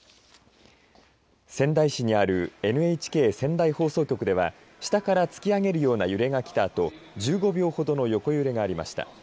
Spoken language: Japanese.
仙台市にあるＮＨＫ仙台放送局では下から突き上げるような揺れが来たあと、１５秒ほどの横揺れがありました。